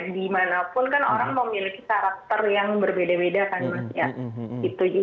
dimana pun kan orang memiliki karakter yang berbeda beda maksudnya